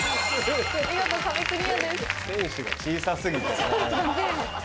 見事壁クリアです。